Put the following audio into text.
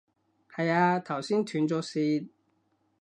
係啊，頭先斷咗線